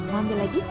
mau ambil lagi